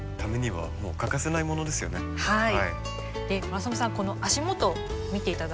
はい。